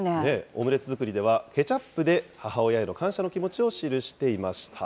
オムレツ作りではケチャップで母親への感謝の気持ちを記していました。